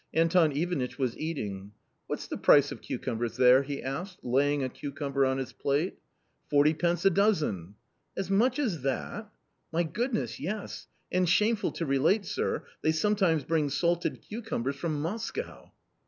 Anton Ivanitch was eating. " What's the price of cucumbers there ?" he asked, laying a cucumber on his plate. " Forty pence a dozen." " As much as that ?"" My goodness, yes ; and, shameful to relate, sir, they sometimes bring salted cucumbers from Moscow."